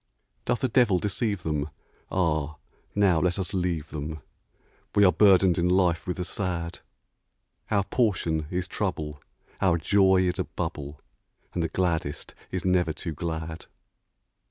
Doth a devil deceive them? Ah, now let us leave them We are burdened in life with the sad; Our portion is trouble, our joy is a bubble, And the gladdest is never too glad.